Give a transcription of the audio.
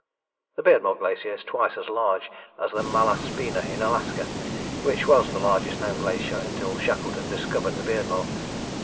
The Beardmore Glacier is twice as large as the Malaspina in Alaska, which was the largest known glacier until Shackleton discovered the Beardmore.